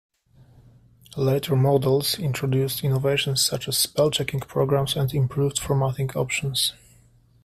Later models introduced innovations such as spell-checking programs, and improved formatting options.